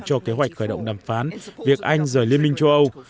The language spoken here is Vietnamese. cho kế hoạch khởi động đàm phán việc anh rời liên minh châu âu